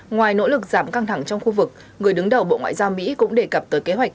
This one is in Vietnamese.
ngoài nỗ lực giảm căng thẳng trong khu vực người đứng đầu bộ ngoại giao mỹ cũng đề cập tới kế hoạch